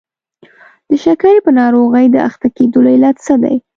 د شکرې په ناروغۍ د اخته کېدلو علت څه دی؟